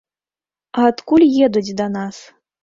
А адкуль едуць да нас?